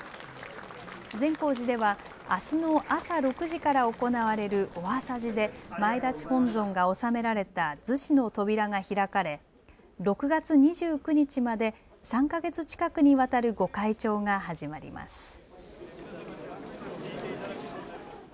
善光寺ではあすの朝６時から行われるお朝事で前立本尊が納められた厨子の扉が開かれ６月２９日まで３か月近くにわたる御開帳が始まります。